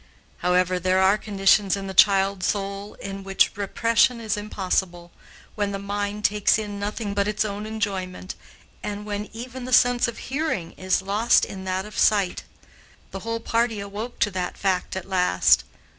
However, there are conditions in the child soul in which repression is impossible, when the mind takes in nothing but its own enjoyment, and when even the sense of hearing is lost in that of sight. The whole party awoke to that fact at last.